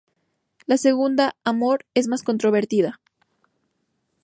La segunda, "amor", es más controvertida.